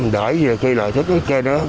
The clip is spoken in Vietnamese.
đợi gì là thích